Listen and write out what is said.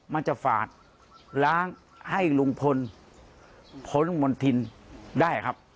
มันจะฝาดล้างให้ลุงพลพ้นมณฑินได้ครับ